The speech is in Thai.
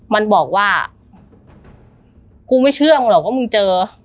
มันบอกว่ากูไม่เชื่อมึงหรอกว่ามึงเจอ